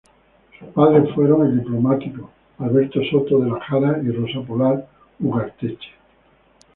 Sus padres fueron el diplomático Alberto Soto de la Jara y Rosa Polar Ugarteche.